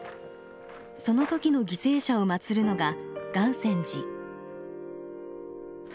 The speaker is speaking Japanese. その時の犠牲者をまつるのが岩泉寺。